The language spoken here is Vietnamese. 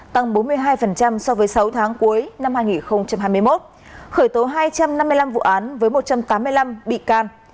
tăng bốn mươi hai so với sáu tháng cuối năm hai nghìn hai mươi một khởi tố hai trăm năm mươi năm vụ án với một trăm tám mươi năm bị can